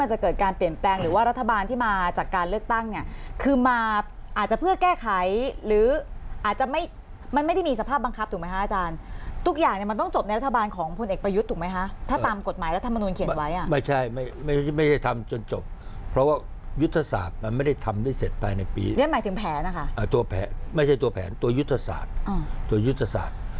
หรือว่ารัฐบาลที่มาจากการเลือกตั้งเนี้ยคือมาอาจจะเพื่อแก้ไขหรืออาจจะไม่มันไม่ได้มีสภาพบังคับถูกไหมฮะอาจารย์ทุกอย่างเนี้ยมันต้องจบในรัฐบาลของคุณเอกประยุทธ์ถูกไหมฮะถ้าตามกฎหมายรัฐมนุนเขียนไว้อ่ะไม่ใช่ไม่ไม่ไม่ใช่ทำจนจบเพราะว่ายุทธศาสตร์มันไม่ได้ทำได้เสร